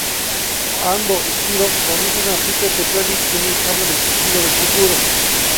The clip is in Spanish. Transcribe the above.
Ando y Hiro conocen a Peter Petrelli, quien les habla del Hiro del futuro.